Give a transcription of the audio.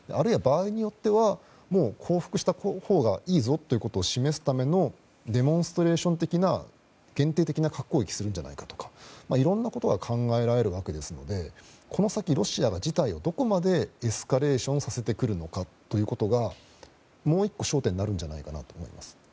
場合によっては降伏したほうがいいぞということを示すためのデモンストレーション的な限定的な核攻撃をするんじゃないかとかいろいろなことが考えられますのでこの先ロシアが事態をどこまでエスカレーションさせてくるのかもう１個、焦点になるんじゃないかと思います。